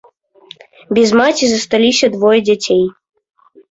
Без маці засталіся двое дзяцей.